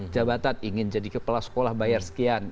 jabatan ingin jadi kepala sekolah bayar sekian